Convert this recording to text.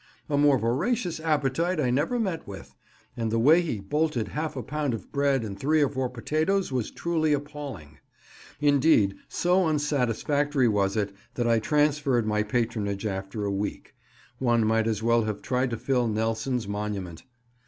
A more voracious appetite I never met with, and the way he bolted half a pound of bread and three or four potatoes was truly appalling; indeed, so unsatisfactory was it, that I transferred my patronage after a week; one might as well have tried to fill Nelson's monument.